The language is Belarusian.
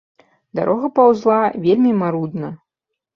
Дарога паўзла вельмі марудна.